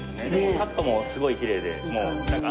カットもすごいきれいで。